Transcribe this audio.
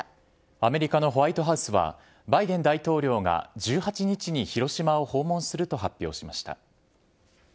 アメリカのホワイトハウスは、バイデン大統領が１８日に広島を訪問すると発表しました。